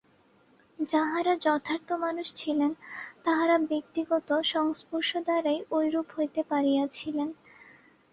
যাঁহারা যথার্থ মানুষ ছিলেন, তাঁহারা ব্যক্তিগত সংস্পর্শ দ্বারাই ঐরূপ হইতে পারিয়াছিলেন।